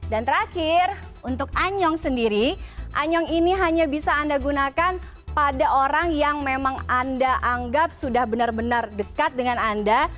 dan terakhir untuk anyong sendiri anyong ini hanya bisa anda gunakan pada orang yang memang anda anggap sudah benar benar dekat dengan anda